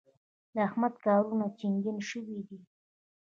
د احمد کارونه چينجن شوي دي.